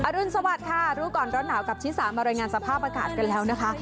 รุนสวัสดิ์ค่ะรู้ก่อนร้อนหนาวกับชิสามารายงานสภาพอากาศกันแล้วนะคะ